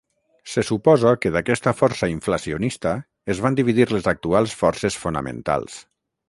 Se suposa que d'aquesta força inflacionista es van dividir les actuals forces fonamentals.